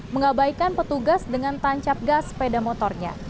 mengabaikan petugas dengan tancap gas sepeda motornya